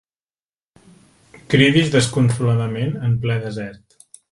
Cridis desconsoladament en ple desert.